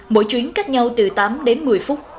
mỗi chuyến cách nhau từ tám đến một mươi phút